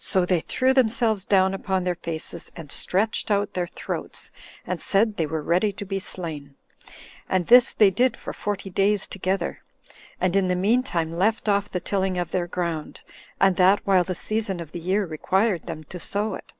So they threw themselves down upon their faces, and stretched out their throats, and said they were ready to be slain; and this they did for forty days together, and in the mean time left off the tilling of their ground, and that while the season of the year required them to sow it.